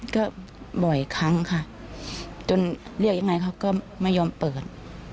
ก็บ่อยครั้งค่ะจนเรียกยังไงเขาก็ไม่ยอมเปิด